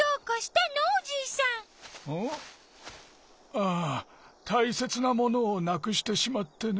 ああたいせつなものをなくしてしまってね。